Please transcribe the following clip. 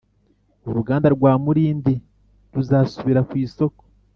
uruganda rwa Mulindi ruzasubira ku isoko